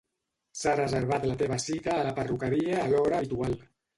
S'ha reservat la teva cita a la perruqueria a l'hora habitual.